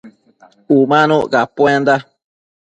Umanuc capuenda